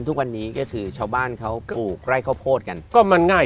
ทุกวันนี้ก็คือชาวบ้านเขาปลูกไร่ข้าวโพดกันก็มันง่าย